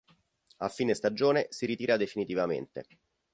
A fine stagione, si ritira definitivamente.